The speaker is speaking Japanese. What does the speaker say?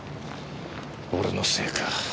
俺のせいか。